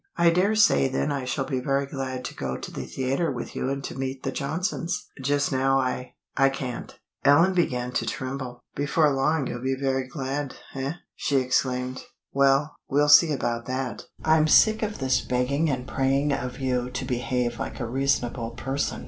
I dare say then I shall be very glad to go to the theatre with you and to meet the Johnsons. Just now I I can't." Ellen began to tremble. "Before long you'll be very glad, eh?" she exclaimed. "Well, we'll see about that! I'm sick of this begging and praying of you to behave like a reasonable person.